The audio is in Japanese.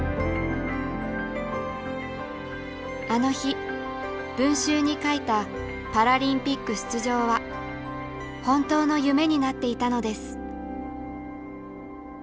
あの日文集に書いたパラリンピック出場は本当の夢になっていたのです。